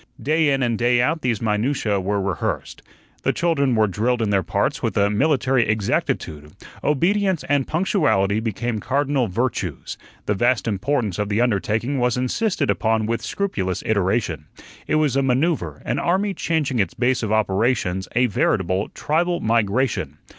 Day in and day out these minutiae were rehearsed. The children were drilled in their parts with a military exactitude; obedience and punctuality became cardinal virtues. The vast importance of the undertaking was insisted upon with scrupulous iteration. It was a manoeuvre, an army changing its base of operations, a veritable tribal migration.